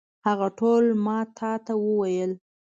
هغه ټول ما تا ته وویل.